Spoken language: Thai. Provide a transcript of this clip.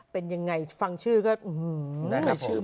เป็นยังไงฟังชื่อก็อื้อหือ